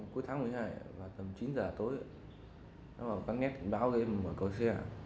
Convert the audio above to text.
cuối tháng một mươi hai tầm chín giờ tối các nghe tình báo gây mọi cầu xe